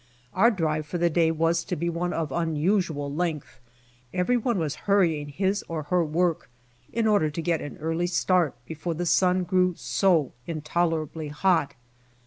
Our drive for the day was to be one of unusual length. Every one was hurr ying his or her work, in order to get an early start before the sun grew so intolerably hot.